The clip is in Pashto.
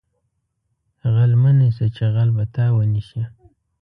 غل مه نیسه چې غل به تا ونیسي